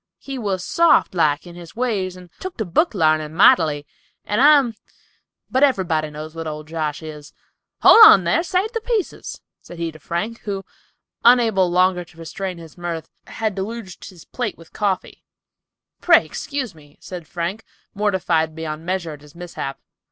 He was soft like in his ways and took to book larnin mightily, and I'm—but everybody knows what old Josh is. Hold on thar! Save the pieces!" said he to Frank, who, unable longer to restrain his mirth, had deluged his plate with coffee. "Pray excuse me," said Frank, mortified beyond measure at his mishap.